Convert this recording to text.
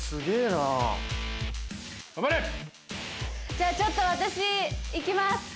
じゃあちょっと私行きます。